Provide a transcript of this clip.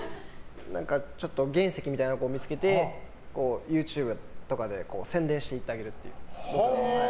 ちょっと原石みたいな子を見つけてＹｏｕＴｕｂｅとかで宣伝してあげるっていう。